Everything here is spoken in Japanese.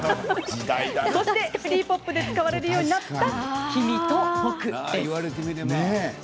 そして、シティ・ポップで使われるようになった「君」と「僕」です。